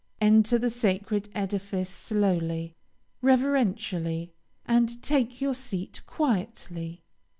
Enter the sacred edifice slowly, reverentially, and take your seat quietly.